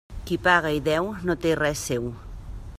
Qui paga i deu no té res seu.